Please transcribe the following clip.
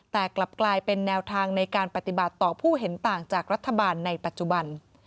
แต่กลับกลายเป็นแนวทางในการปฏิบัติต่อผู้เห็นต่างจากรัฐบาลในปัจจุบัน